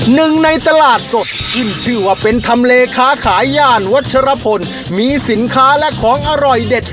หนึ่งในตลาดสดขึ้นชื่อว่าเป็นทำเลค้าขายย่านวัชรพลมีสินค้าและของอร่อยเด็ด